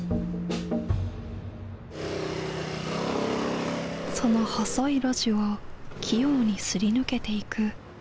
その細い路地を器用にすり抜けていく１台のバイク。